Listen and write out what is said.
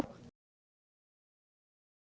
cảm ơn các bạn đã theo dõi